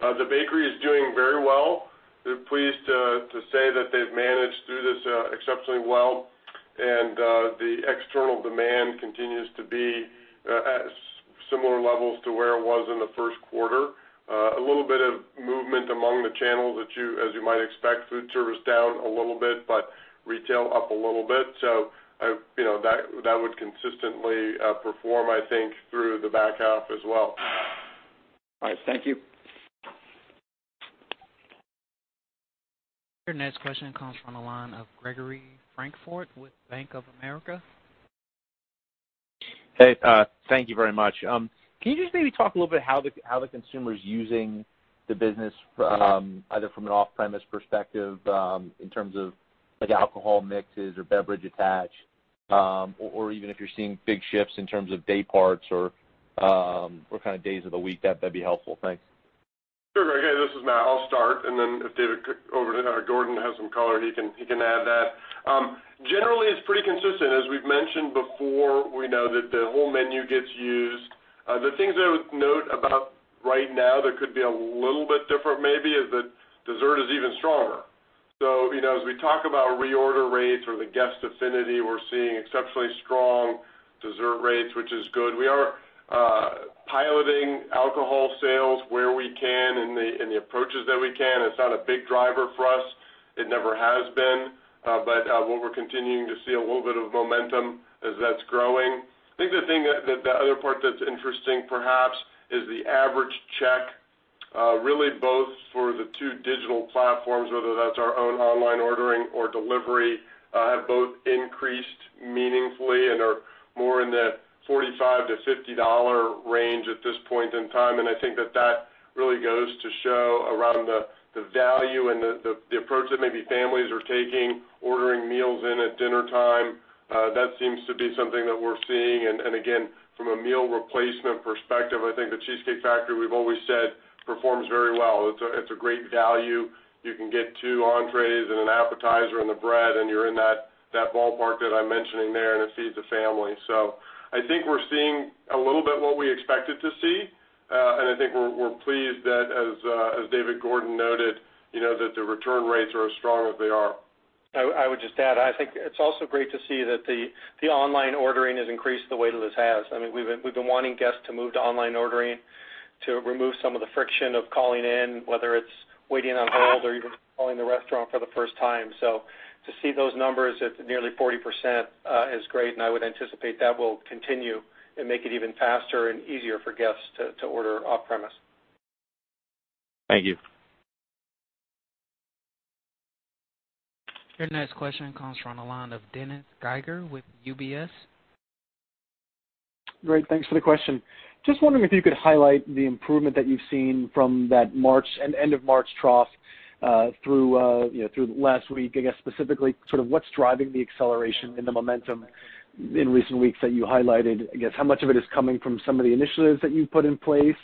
The bakery is doing very well. We're pleased to say that they've managed through this exceptionally well, and the external demand continues to be at similar levels to where it was in the first quarter. A little bit of movement among the channels, as you might expect. Food service down a little bit, but retail up a little bit. That would consistently perform, I think, through the back half as well. All right. Thank you. Your next question comes from the line of Gregory Francfort with Bank of America. Hey, thank you very much. Can you just maybe talk a little bit how the consumer's using the business, either from an off-premise perspective, in terms of alcohol mixes or beverage attach, or even if you're seeing big shifts in terms of day parts or what kind of days of the week, that'd be helpful. Thanks. Sure, Greg. Hey, this is Matt. I'll start, and then if David Gordon has some color, he can add that. Generally, it's pretty consistent. As we've mentioned before, we know that the whole menu gets used. The things I would note about right now that could be a little bit different maybe is that dessert is even stronger. As we talk about reorder rates or the guest affinity, we're seeing exceptionally strong dessert rates, which is good. We are piloting alcohol sales where we can and the approaches that we can. It's not a big driver for us. It never has been. What we're continuing to see a little bit of momentum as that's growing. I think the thing that, the other part that's interesting perhaps, is the average check, really both for the two digital platforms, whether that's our own online ordering or delivery, have both increased meaningfully and are more in the $45-$50 range at this point in time. I think that really goes to show around the value and the approach that maybe families are taking, ordering meals in at dinner time. That seems to be something that we're seeing. Again, from a meal replacement perspective, I think The Cheesecake Factory, we've always said, performs very well. It's a great value. You can get two entrees and an appetizer and the bread, and you're in that ballpark that I'm mentioning there, and it feeds a family. I think we're seeing a little bit what we expected to see. I think we're pleased that, as David Gordon noted, that the return rates are as strong as they are. I would just add, I think it is also great to see that the online ordering has increased the way that it has. We have been wanting guests to move to online ordering to remove some of the friction of calling in, whether it is waiting on hold or even calling the restaurant for the first time. To see those numbers at nearly 40% is great, and I would anticipate that will continue and make it even faster and easier for guests to order off-premise. Thank you. Your next question comes from the line of Dennis Geiger with UBS. Great. Thanks for the question. Just wondering if you could highlight the improvement that you've seen from that March and end of March trough through last week. I guess, specifically, sort of what's driving the acceleration and the momentum in recent weeks that you highlighted? I guess how much of it is coming from some of the initiatives that you've put in place,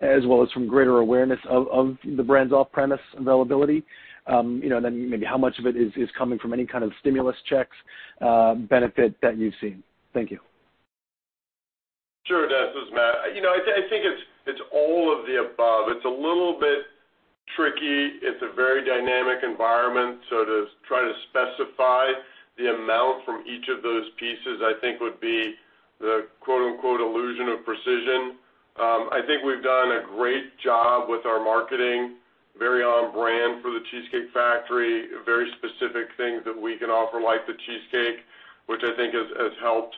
as well as from greater awareness of the brand's off-premise availability? Maybe how much of it is coming from any kind of stimulus checks benefit that you've seen? Thank you. Sure, Dennis. This is Matt. I think it's all of the above. It's a little bit tricky. It's a very dynamic environment, so to try to specify the amount from each of those pieces, I think would be the "illusion of precision." I think we've done a great job with our marketing, very on brand for The Cheesecake Factory, very specific things that we can offer, like the cheesecake, which I think has helped.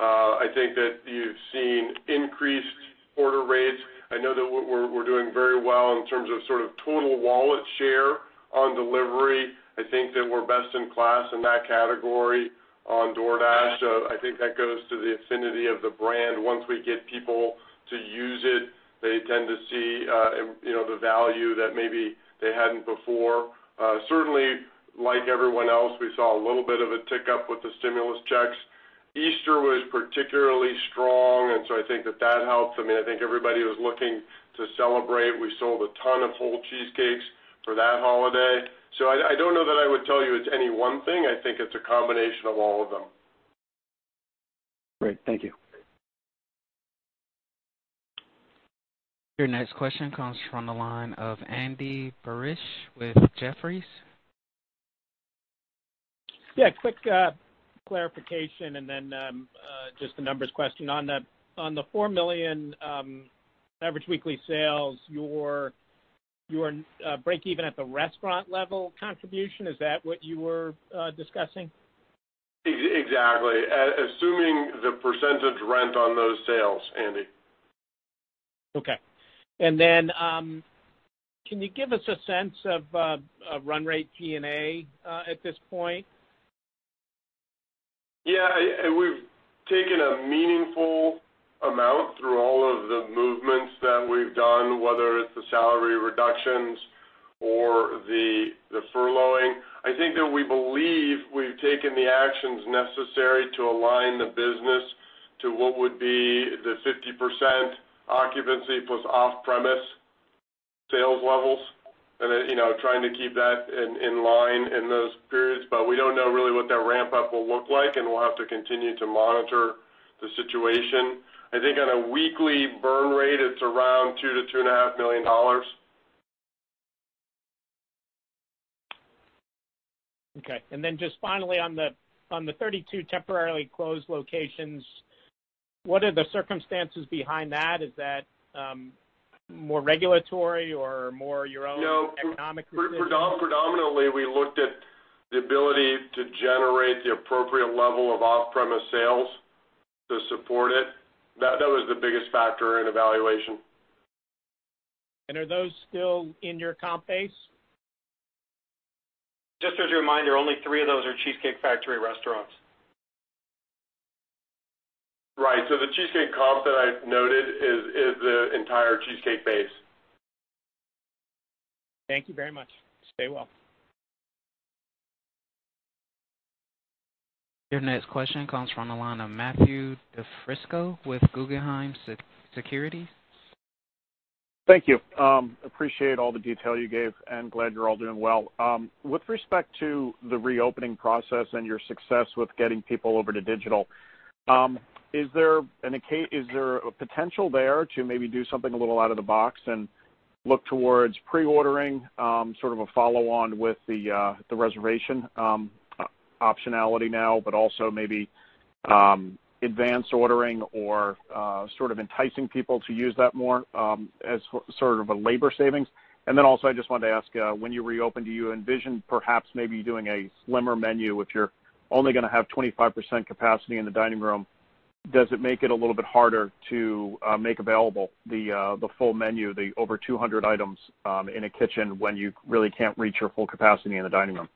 I think that you've seen increased order rates. I know that we're doing very well in terms of total wallet share on delivery. I think that we're best in class in that category on DoorDash. I think that goes to the affinity of the brand. Once we get people to use it, they tend to see the value that maybe they hadn't before. Certainly, like everyone else, we saw a little bit of a tick up with the stimulus checks. Easter was particularly strong. I think that helped. I think everybody was looking to celebrate. We sold a ton of whole cheesecakes for that holiday. I don't know that I would tell you it's any one thing. I think it's a combination of all of them. Great. Thank you. Your next question comes from the line of Andy Barish with Jefferies. Yeah. A quick clarification and then just a numbers question. On the $4 million average weekly sales, your breakeven at the restaurant level contribution, is that what you were discussing? Exactly. Assuming the percentage rent on those sales, Andy. Okay. Can you give us a sense of run rate G&A at this point? Yeah. We've taken a meaningful amount through all of the movements that we've done, whether it's the salary reductions or the furloughing. I think that we believe we've taken the actions necessary to align the business to what would be the 50% occupancy plus off-premise sales levels, and trying to keep that in line in those periods. We don't know really what that ramp-up will look like, and we'll have to continue to monitor the situation. I think on a weekly burn rate, it's around $2 million-$2.5 million. Okay. Just finally on the 32 temporarily closed locations, what are the circumstances behind that? Is that more regulatory or more your own economic decision? Predominantly, we looked at the ability to generate the appropriate level of off-premise sales to support it. That was the biggest factor in evaluation. Are those still in your comp base? Just as a reminder, only three of those are The Cheesecake Factory restaurants. The Cheesecake comp that I noted is the entire Cheesecake base. Thank you very much. Stay well. Your next question comes from the line of Matthew DiFrisco with Guggenheim Securities. Thank you. Appreciate all the detail you gave, and glad you're all doing well. With respect to the reopening process and your success with getting people over to digital, is there a potential there to maybe do something a little out of the box and look towards pre-ordering, sort of a follow-on with the reservation optionality now, but also maybe advance ordering or enticing people to use that more as sort of a labor savings? Then also, I just wanted to ask, when you reopen, do you envision perhaps maybe doing a slimmer menu if you're only going to have 25% capacity in the dining room? Does it make it a little bit harder to make available the full menu, the over 200 items in a kitchen when you really can't reach your full capacity in the dining room?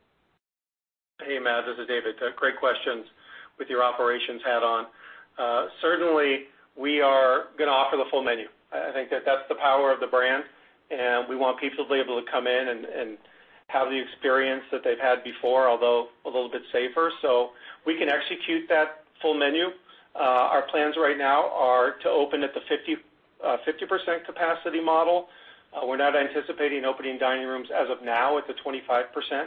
Hey, Matt, this is David. Great questions with your operations hat on. Certainly, we are going to offer the full menu. I think that's the power of the brand, and we want people to be able to come in and have the experience that they've had before, although a little bit safer. We can execute that full menu. Our plans right now are to open at the 50% capacity model. We're not anticipating opening dining rooms as of now at the 25%.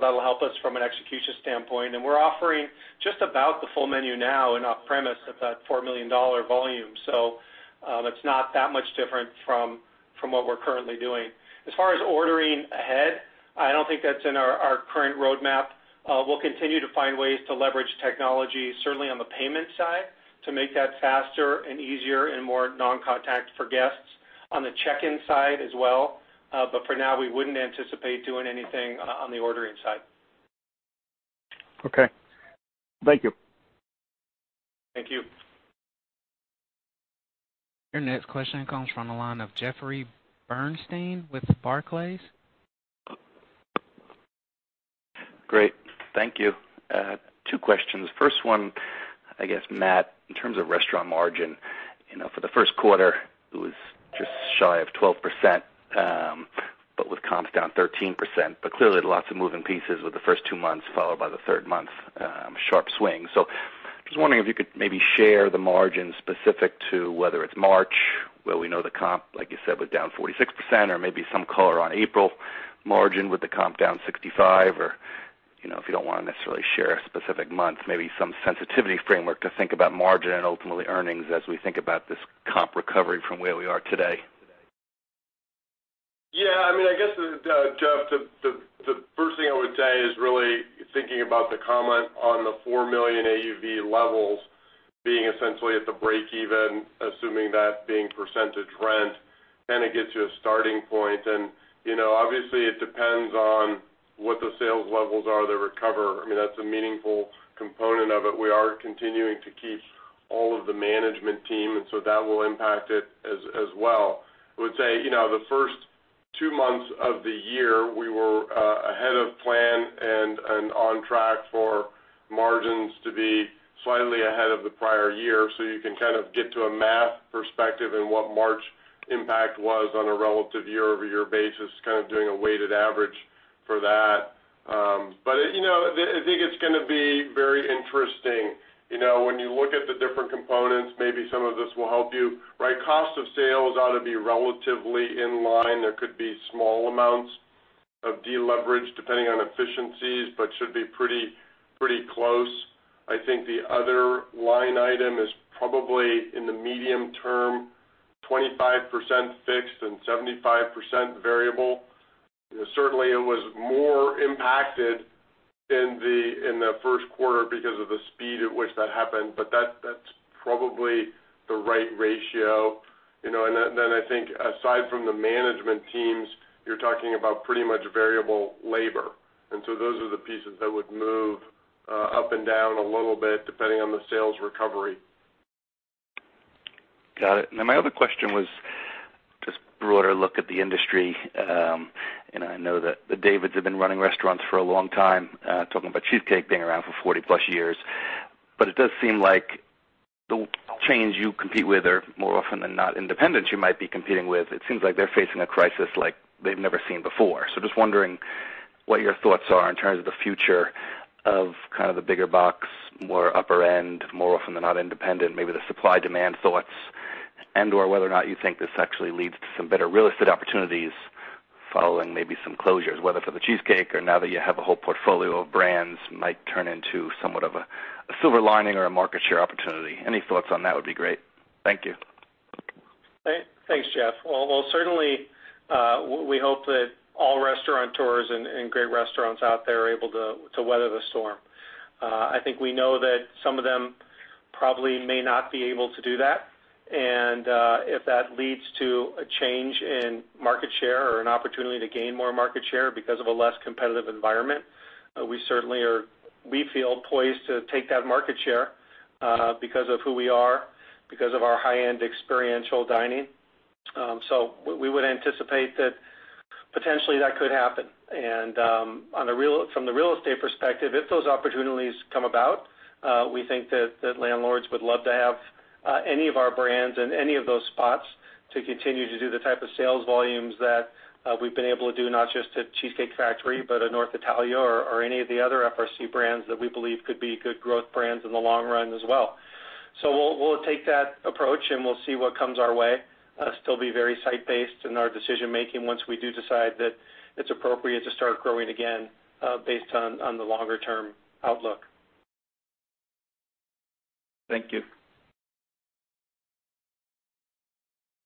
That'll help us from an execution standpoint, and we're offering just about the full menu now in off-premise at that $4 million volume. It's not that much different from what we're currently doing. As far as ordering ahead, I don't think that's in our current roadmap. We'll continue to find ways to leverage technology, certainly on the payment side, to make that faster and easier and more non-contact for guests. On the check-in side as well. For now, we wouldn't anticipate doing anything on the ordering side. Okay. Thank you. Thank you. Your next question comes from the line of Jeffrey Bernstein with Barclays. Great. Thank you. Two questions. First one, I guess, Matt, in terms of restaurant margin, for the first quarter, it was just shy of 12%, with comps down 13%. Clearly, lots of moving pieces with the first two months followed by the third month, a sharp swing. I was just wondering if you could maybe share the margin specific to whether it's March, where we know the comp, like you said, was down 46%, or maybe some color on April margin with the comp down 65%, or if you don't want to necessarily share a specific month, maybe some sensitivity framework to think about margin and ultimately earnings as we think about this comp recovery from where we are today. I guess, Jeff, the first thing I would say is really thinking about the comment on the $4 million AUV levels being essentially at the breakeven, assuming that being percentage rent, kind of gets you a starting point. Obviously, it depends on what the sales levels are that recover. That's a meaningful component of it. We are continuing to keep all of the management team, that will impact it as well. I would say, the first two months of the year, we were ahead of plan and on track for margins to be slightly ahead of the prior year. You can kind of get to a math perspective and what March impact was on a relative year-over-year basis, kind of doing a weighted average for that. I think it's going to be very interesting. When you look at the different components, maybe some of this will help you. Cost of sales ought to be relatively in line. There could be small amounts of deleverage depending on efficiencies, but should be pretty close. I think the other line item is probably in the medium term, 25% fixed and 75% variable. Certainly it was more impacted in the first quarter because of the speed at which that happened, but that's probably the right ratio. I think aside from the management teams, you're talking about pretty much variable labor. Those are the pieces that would move up and down a little bit depending on the sales recovery. Got it. My other question was just broader look at the industry. I know that the David have been running restaurants for a long time, talking about Cheesecake being around for 40 plus years. It does seem like the chains you compete with are more often than not independents you might be competing with. It seems like they're facing a crisis like they've never seen before. Just wondering what your thoughts are in terms of the future of kind of the bigger box, more upper end, more often than not independent, maybe the supply demand thoughts and/or whether or not you think this actually leads to some better real estate opportunities following maybe some closures, whether for the Cheesecake or now that you have a whole portfolio of brands might turn into somewhat of a silver lining or a market share opportunity. Any thoughts on that would be great. Thank you. Thanks, Jeff. Well, certainly, we hope that all restaurateurs and great restaurants out there are able to weather the storm. I think we know that some of them probably may not be able to do that. If that leads to a change in market share or an opportunity to gain more market share because of a less competitive environment, we feel poised to take that market share because of who we are, because of our high-end experiential dining. We would anticipate that potentially that could happen. From the real estate perspective, if those opportunities come about, we think that landlords would love to have any of our brands in any of those spots to continue to do the type of sales volumes that we've been able to do not just at The Cheesecake Factory, but at North Italia or any of the other FRC brands that we believe could be good growth brands in the long run as well. We'll take that approach, and we'll see what comes our way. Still be very site-based in our decision-making once we do decide that it's appropriate to start growing again based on the longer-term outlook. Thank you.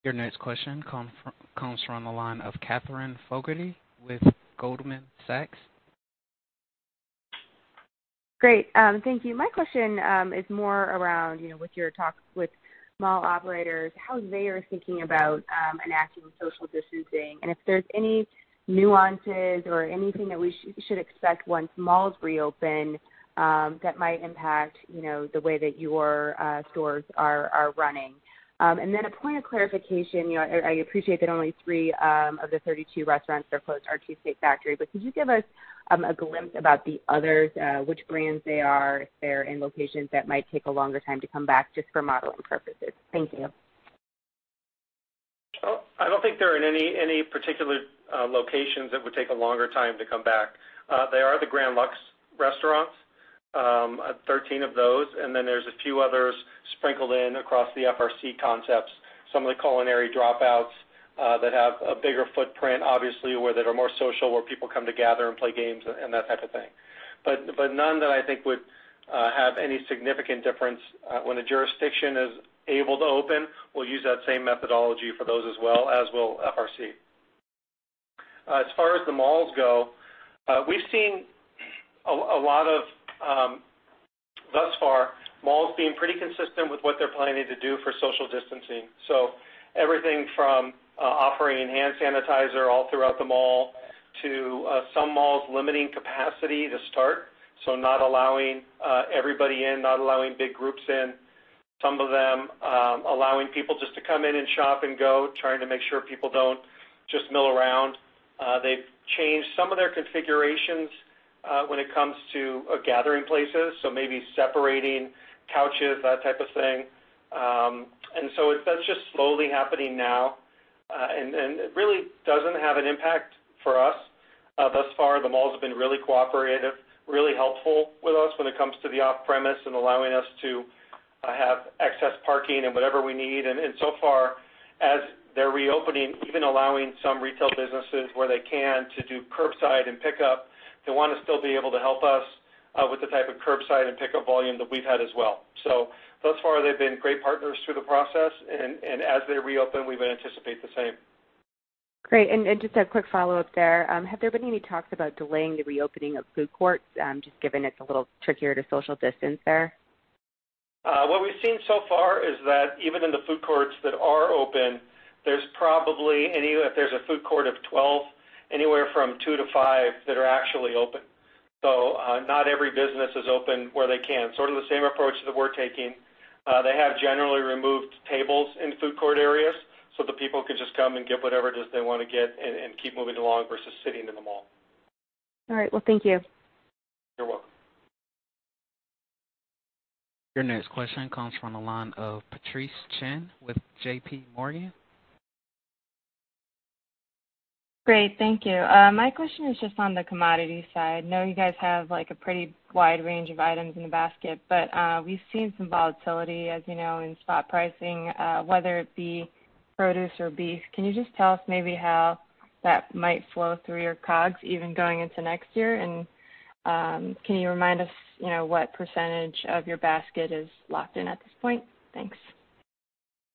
Your next question comes from the line of Katherine Fogertey with Goldman Sachs. Great. Thank you. My question is more around with your talks with mall operators, how they are thinking about enacting social distancing, and if there's any nuances or anything that we should expect once malls reopen that might impact the way that your stores are running. A point of clarification, I appreciate that only three of the 32 restaurants that are closed are The Cheesecake Factory, could you give us a glimpse about the others, which brands they are if they're in locations that might take a longer time to come back just for modeling purposes? Thank you. I don't think they're in any particular locations that would take a longer time to come back. They are the Grand Lux restaurants, 13 of those, and then there's a few others sprinkled in across the FRC concepts. Some of the Culinary Dropouts that have a bigger footprint, obviously, or that are more social, where people come to gather and play games and that type of thing. None that I think would have any significant difference. When a jurisdiction is able to open, we'll use that same methodology for those as well, as will FRC. As far as the malls go, we've seen a lot of, thus far, malls being pretty consistent with what they're planning to do for social distancing. Everything from offering hand sanitizer all throughout the mall to some malls limiting capacity to start, not allowing everybody in, not allowing big groups in. Some of them allowing people just to come in and shop and go, trying to make sure people don't just mill around. They've changed some of their configurations when it comes to gathering places, maybe separating couches, that type of thing. That's just slowly happening now. It really doesn't have an impact for us. Thus far, the malls have been really cooperative, really helpful with us when it comes to the off-premise and allowing us to have excess parking and whatever we need. So far as they're reopening, even allowing some retail businesses where they can to do curbside and pickup, they want to still be able to help us with the type of curbside and pickup volume that we've had as well. Thus far, they've been great partners through the process, and as they reopen, we would anticipate the same. Great. Just a quick follow-up there. Have there been any talks about delaying the reopening of food courts, just given it's a little trickier to social distance there? What we've seen so far is that even in the food courts that are open, if there's a food court of 12, anywhere from two to five that are actually open. Not every business is open where they can, sort of the same approach that we're taking. They have generally removed tables in food court areas so that people can just come and get whatever it is they want to get and keep moving along versus sitting in the mall. All right. Well, thank you. You're welcome. Your next question comes from the line of Patrice Chen with JPMorgan. Great. Thank you. My question is just on the commodity side. We've seen some volatility, as you know, in spot pricing whether it be produce or beef. Can you just tell us maybe how that might flow through your COGS even going into next year. Can you remind us what percentage of your basket is locked in at this point? Thanks.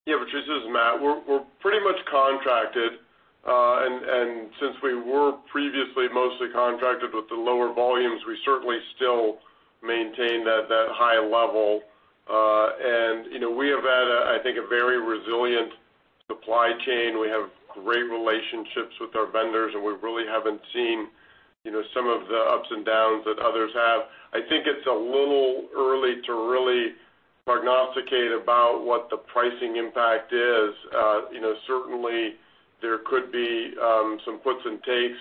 Patrice, this is Matt. We're pretty much contracted. Since we were previously mostly contracted with the lower volumes, we certainly still maintain that high level. We have had, I think, a very resilient supply chain. We have great relationships with our vendors, and we really haven't seen some of the ups and downs that others have. I think it's a little early to really prognosticate about what the pricing impact is. Certainly, there could be some puts and takes,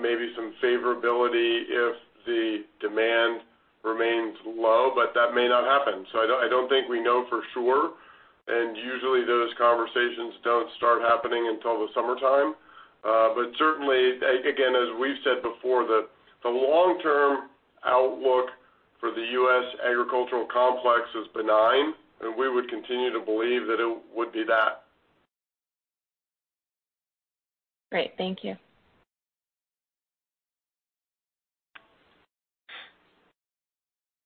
maybe some favorability if the demand remains low, but that may not happen. I don't think we know for sure, and usually those conversations don't start happening until the summertime. Certainly, again, as we've said before, the long-term outlook for the U.S. agricultural complex is benign, and we would continue to believe that it would be that. Great. Thank you.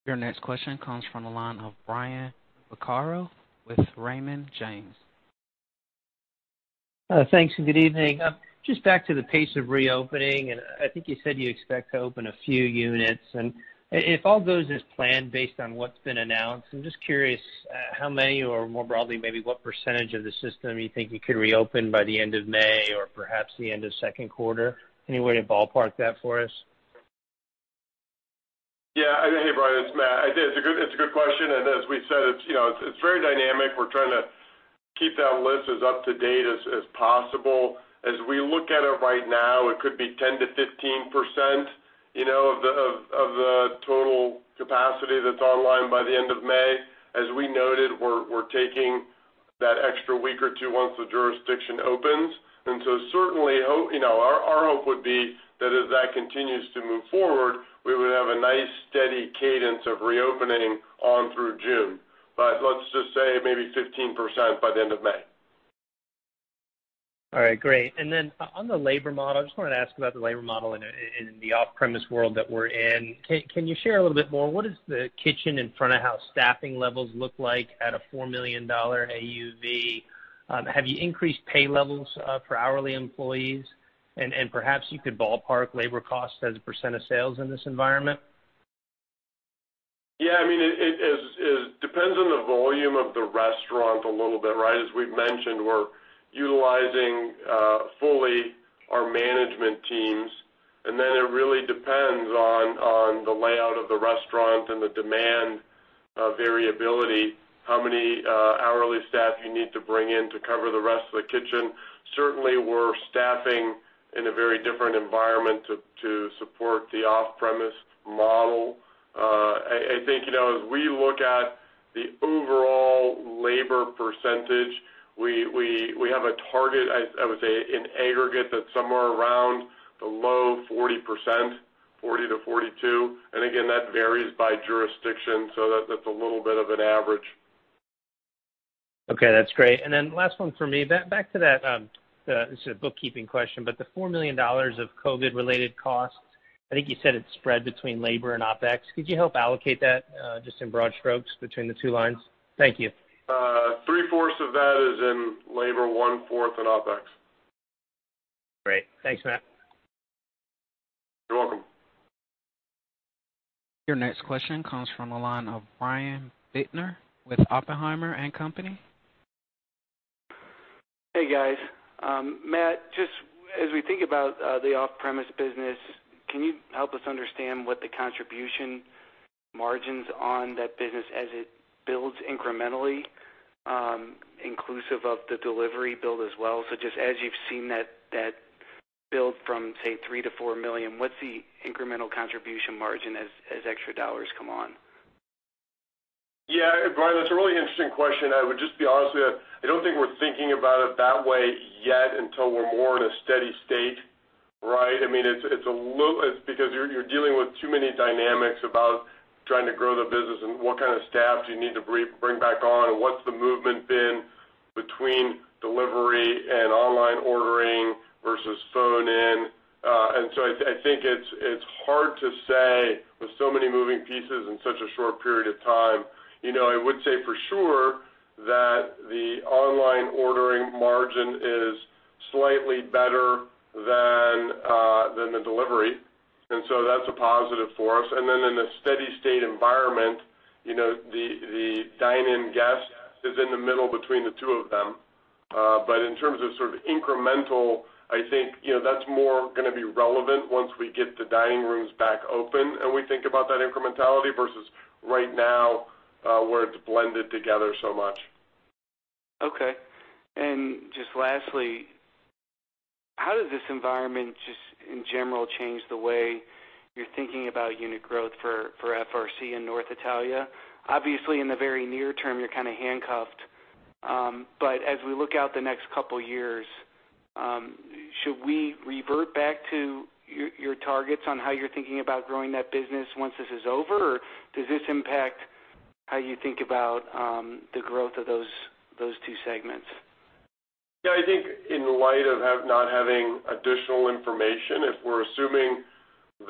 Your next question comes from the line of Brian Vaccaro with Raymond James. Thanks and good evening. Just back to the pace of reopening, and I think you said you expect to open a few units. If all goes as planned based on what's been announced, I'm just curious how many or more broadly, maybe what percentage of the system you think you could reopen by the end of May or perhaps the end of second quarter? Any way to ballpark that for us? Hey, Brian, it's Matt. It's a good question, and as we said, it's very dynamic. We're trying to keep that list as up-to-date as possible. As we look at it right now, it could be 10%-15% of the total capacity that's online by the end of May. As we noted, we're taking that extra week or two once the jurisdiction opens. Certainly, our hope would be that as that continues to move forward, we would have a nice steady cadence of reopening all through June. Let's just say maybe 15% by the end of May. All right, great. On the labor model, I just wanted to ask about the labor model in the off-premise world that we're in. Can you share a little bit more? What is the kitchen and front of house staffing levels look like at a $4 million AUV? Have you increased pay levels for hourly employees? Perhaps you could ballpark labor costs as a percent of sales in this environment. Yeah, it depends on the volume of the restaurant a little bit, right? As we've mentioned, we're utilizing fully our management teams, and then it really depends on the layout of the restaurant and the demand variability, how many hourly staff you need to bring in to cover the rest of the kitchen. Certainly, we're staffing in a very different environment to support the off-premise model. I think, as we look at the overall labor percentage, we have a target, I would say, in aggregate, that's somewhere around below 40%, 40%-42%. Again, that varies by jurisdiction, so that's a little bit of an average. Okay, that's great. Last one from me. Back to that, it's a bookkeeping question, but the $4 million of COVID related costs, I think you said it's spread between labor and OpEx. Could you help allocate that just in broad strokes between the two lines? Thank you. Three-fourths of that is in labor, 1/4 in OpEx. Great. Thanks, Matt. You're welcome. Your next question comes from the line of Brian Bittner with Oppenheimer and Company. Hey, guys. Matt, just as we think about the off-premise business, can you help us understand what the contribution margins on that business as it builds incrementally, inclusive of the delivery build as well? Just as you've seen that build from, say, $3 million-$4 million, what's the incremental contribution margin as extra dollars come on? Brian, that's a really interesting question. I would just be honest with you. I don't think we're thinking about it that way yet until we're more in a steady state, right? Because you're dealing with too many dynamics about trying to grow the business and what kind of staff do you need to bring back on, and what's the movement been between delivery and online ordering versus phone in. I think it's hard to say with so many moving pieces in such a short period of time. I would say for sure that the online ordering margin is slightly better than the delivery, and so that's a positive for us. In a steady state environment, the dine-in guest is in the middle between the two of them. In terms of sort of incremental, I think that's more going to be relevant once we get the dining rooms back open and we think about that incrementality versus right now where it's blended together so much. Okay. Just lastly, how does this environment, just in general, change the way you're thinking about unit growth for FRC and North Italia? Obviously, in the very near term, you're kind of handcuffed. As we look out the next couple of years, should we revert back to your targets on how you're thinking about growing that business once this is over? Does this impact how you think about the growth of those two segments? Yeah, I think in light of not having additional information, if we're assuming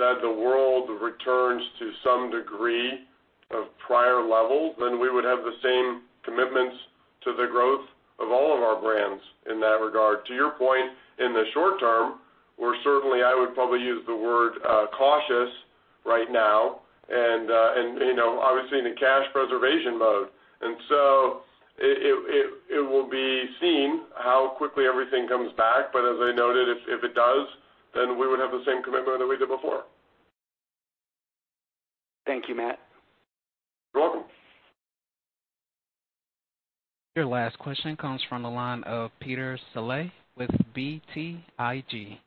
that the world returns to some degree of prior levels, then we would have the same commitments to the growth of all of our brands in that regard. To your point, in the short term, we're certainly, I would probably use the word cautious right now, and obviously in a cash preservation mode. It will be seen how quickly everything comes back, but as I noted, if it does, then we would have the same commitment that we did before. Thank you, Matt. You're welcome. Your last question comes from the line of Peter Saleh with BTIG.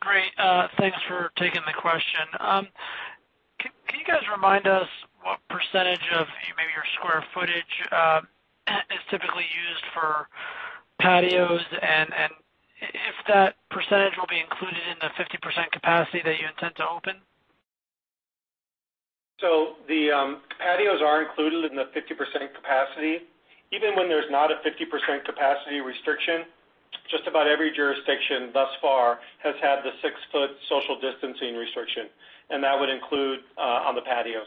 Great. Thanks for taking the question. Can you guys remind us what percentage of maybe your square footage is typically used for patios, and if that percentage will be included in the 50% capacity that you intend to open? The patios are included in the 50% capacity. Even when there's not a 50% capacity restriction, just about every jurisdiction thus far has had the 6-ft social distancing restriction, and that would include on the patios.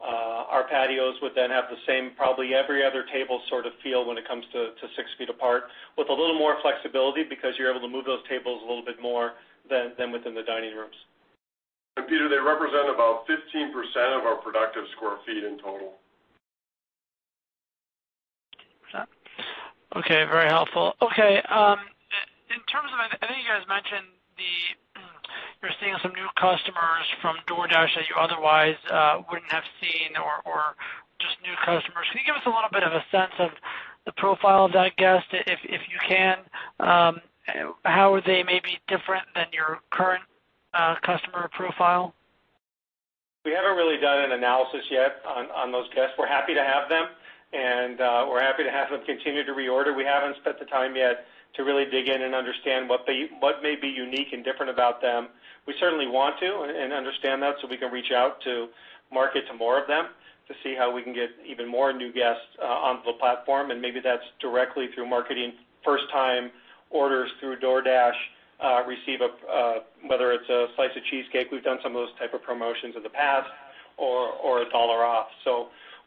Our patios would then have the same probably every other table sort of feel when it comes to 6 ft apart, with a little more flexibility because you're able to move those tables a little bit more than within the dining rooms. Peter, they represent about 15% of our productive sq ft in total. Okay. Very helpful. Okay. I know you guys mentioned you're seeing some new customers from DoorDash that you otherwise wouldn't have seen or just new customers. Can you give us a little bit of a sense of the profile of that guest, if you can? How are they maybe different than your current customer profile? We haven't really done an analysis yet on those guests. We're happy to have them, and we're happy to have them continue to reorder. We haven't spent the time yet to really dig in and understand what may be unique and different about them. We certainly want to and understand that, so we can reach out to market to more of them to see how we can get even more new guests onto the platform, and maybe that's directly through marketing first-time orders through DoorDash, whether it's a slice of cheesecake, we've done some of those type of promotions in the past, or $1 off.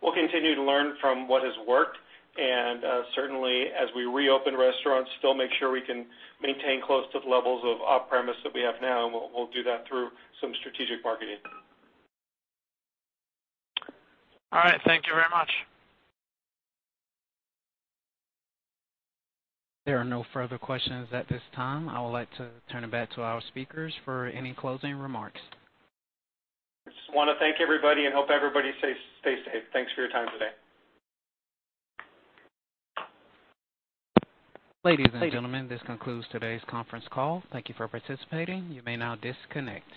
We'll continue to learn from what has worked, and certainly as we reopen restaurants, still make sure we can maintain close to the levels of off-premise that we have now, and we'll do that through some strategic marketing. All right. Thank you very much. There are no further questions at this time. I would like to turn it back to our speakers for any closing remarks. I just want to thank everybody and hope everybody stays safe. Thanks for your time today. Ladies and gentlemen, this concludes today's conference call. Thank you for participating. You may now disconnect.